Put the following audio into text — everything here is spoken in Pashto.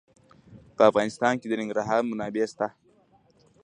په افغانستان کې د ننګرهار منابع شته.